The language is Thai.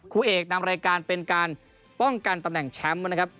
คู่เอกนำรายการเป็นการป้องกันตำแหน่งแชมป์นะครับ